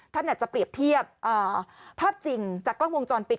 ท่านอาจจะเปรียบเทียบภาพจริงจากกล้องวงจรปิด